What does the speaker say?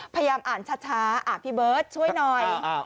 พยายามอ่านช้าพี่เบิร์ตช่วยหน่อย